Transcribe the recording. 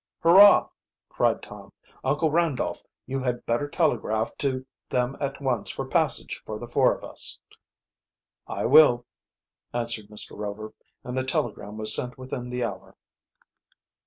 "Hurrah!" cried Tom. "Uncle Randolph, you had better telegraph to them at once for passage for the four of us." "I will," answered, Mr. Rover, and the telegram was sent within the hour.